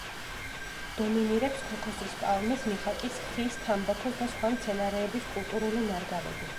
დომინირებს ქოქოსის პალმის, მიხაკის ხის, თამბაქოს და სხვა მცენარეების კულტურული ნარგავები.